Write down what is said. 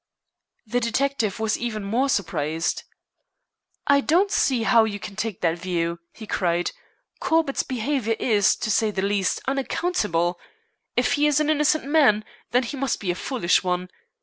The detective was even more surprised. "I don't see how you can take that view," he cried. "Corbett's behavior is, to say the least, unaccountable. If he is an innocent man, then he must be a foolish one.